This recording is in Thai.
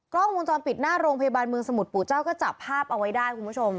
กล้องวงจรปิดหน้าโรงพยาบาลเมืองสมุทรปู่เจ้าก็จับภาพเอาไว้ได้คุณผู้ชม